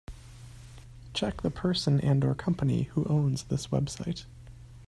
Check the person and/or company who owns this website.